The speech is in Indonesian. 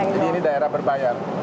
jadi ini daerah berbayar